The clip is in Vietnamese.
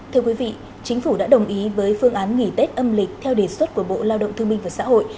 thưa quý vị chính phủ đã đồng ý với phương án nghỉ tết âm lịch theo đề xuất của bộ lao động thương minh và xã hội